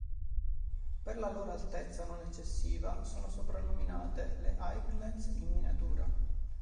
Per la loro altezza non eccessiva, sono soprannominate le "Highlands in miniatura".